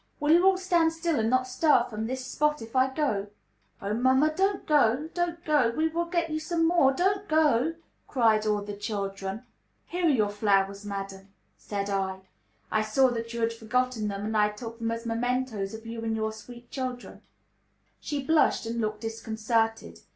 Will you all stand still and not stir from this spot if I go?" "Oh, mamma, don't go, don't go. We will get you some more. Don't go," cried all the children. "Here are your flowers, madam," said I. "I saw that you had forgotten them, and I took them as mementoes of you and your sweet children." She blushed and looked disconcerted.